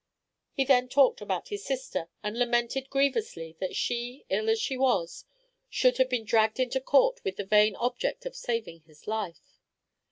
He then talked about his sister, and lamented grievously that she, ill as she was, should have been dragged into court with the vain object of saving his life.